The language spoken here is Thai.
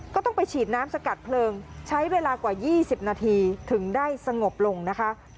ก็ต้องไปฉีดน้ำสกัดเพลิงใช้เวลากว่า๒๐นาทีถึงได้สงบลงนะคะ